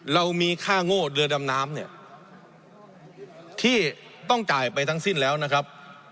เรามีค่าโง่เรือดำน้ำเนี่ยที่ต้องจ่ายไปทั้งสิ้นแล้วนะครับ